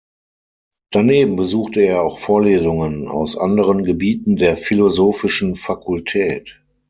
Daneben besuchte er auch Vorlesungen aus anderen Gebieten der philosophischen Fakultät.